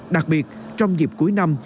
đặc biệt trong dịp cuối năm